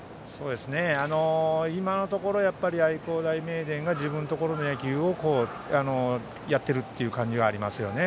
今のところは愛工大名電が自分のところの野球をやっている感じがありますね。